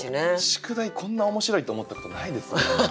宿題こんな面白いって思ったことないですもん。